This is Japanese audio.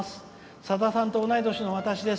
さださんと同い年の私です。